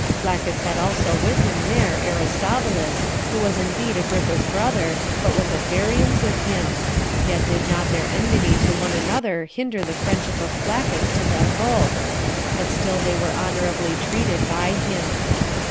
Flaccus had also with him there Aristobulus, who was indeed Agrippa's brother, but was at variance with him; yet did not their enmity to one another hinder the friendship of Flaccus to them both, but still they were honorably treated by him.